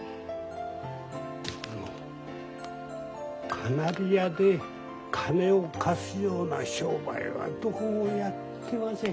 あのカナリヤで金を貸すような商売はどこもやってません。